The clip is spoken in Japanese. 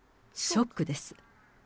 ショックです。